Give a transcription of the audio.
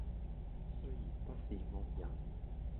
雖然不是惡人，